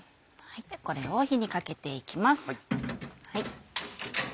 これを火にかけていきます。